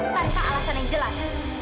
tanpa alasan yang jelas